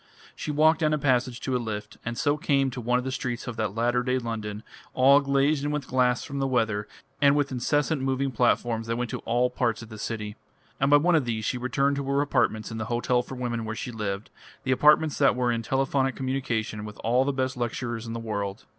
She walked down a passage to a lift, and so came to one of the streets of that latter day London, all glazed in with glass from the weather, and with incessant moving platforms that went to all parts of the city. And by one of these she returned to her apartments in the Hotel for Women where she lived, the apartments that were in telephonic communication with all the best lecturers in the world.